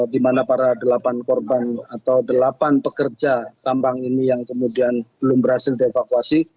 di mana para delapan korban atau delapan pekerja tambang ini yang kemudian belum berhasil dievakuasi